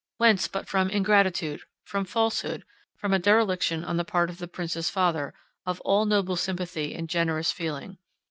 Whence but from ingratitude, from falsehood, from a dereliction on the part of the prince's father, of all noble sympathy and generous feeling.